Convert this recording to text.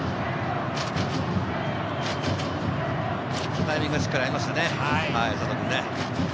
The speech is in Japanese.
タイミングがしっかり合いましたね、佐藤君。